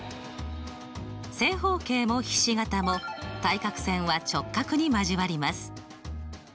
正方形もひし形も対角線は直角に交わります。